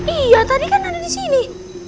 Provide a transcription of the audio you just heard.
iya tadi kan ada disini